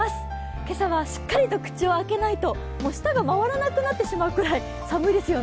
今朝はしっかりと口を開けないと、もう舌が回らなくなってしまうほど寒いですよね。